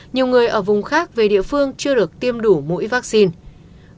nhiều người ở vùng khác về địa phương chưa được tiêm đủ mũi vaccine